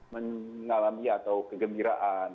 mengalami atau kegembiraan